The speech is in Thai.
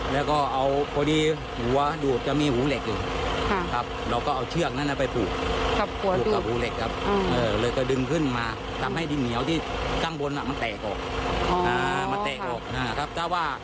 แล้วก็เอาพอดีหัวดูดก็มีหูเหล็กเราก็เอาเชือกนั้นไปปลูกปลูกกับหูเหล็กครับเราก็ดึงขึ้นมาทำให้ดินเหนียวที่กำบนมันแตกออก